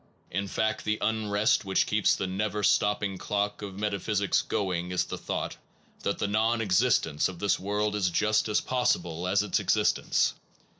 In fact the unrest which keeps the never stopping clock of meta physics going is the thought that the non ex istence of this world is just as possible as its 38 THE PROBLEM OF BEING existence.